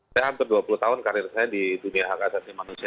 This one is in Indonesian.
saya hampir dua puluh tahun karir saya di dunia hak asasi manusia